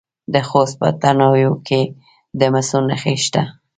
د خوست په تڼیو کې د مسو نښې شته.